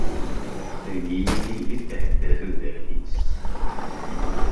Deg yinig i tɛedda tudert-is.